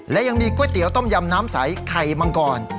และยังมีก๋วยเตี๋ยต้มยำน้ำใสไข่มังกร